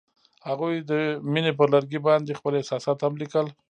هغوی د مینه پر لرګي باندې خپل احساسات هم لیکل.